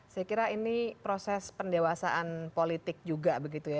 saya kira ini proses pendewasaan politik juga begitu ya